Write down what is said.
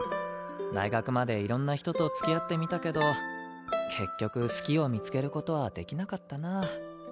大学までいろんな人と付き合ってみたけど結局「好き」を見つける事はできなかったな。